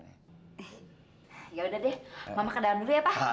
eh yaudah deh mama ke daun dulu ya pa